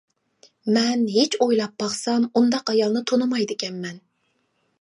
مەن ھېچ ئويلاپ باقسام، ئۇنداق ئايالنى تونۇمايدىكەنمەن.